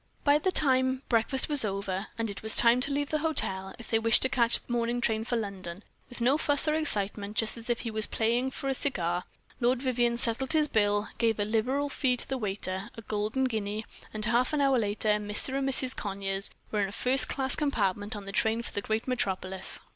By this time breakfast was over, and it was time to leave the hotel, if they wished to catch the morning train for London. With no fuss or excitement, just as if he was paying for a cigar; Lord Vivianne settled his bill, gave a liberal fee to the waiter a golden guinea and half an hour later "Mr. and Mrs. Conyers" were in a first class compartment, on the train for the great metropolis.